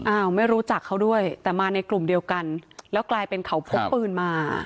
อ้าวไม่รู้จักเขาด้วยแต่มาในกลุ่มเดียวกันแล้วกลายเป็นเขาพกปืนมา